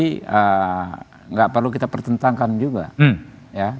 tidak perlu kita pertentangkan juga ya